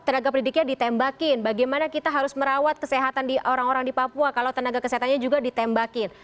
tenaga pendidiknya ditembakin bagaimana kita harus merawat kesehatan orang orang di papua kalau tenaga kesehatannya juga ditembakin